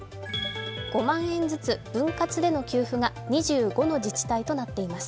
５万円ずつ、分割での給付が２５の自治体となっています。